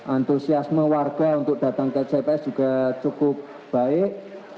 antusiasme warga untuk datang ke cps juga cukup baik